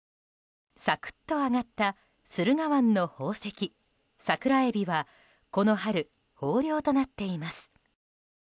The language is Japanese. サクッと揚がった駿河湾の宝石、桜エビはこの春、豊漁となっています。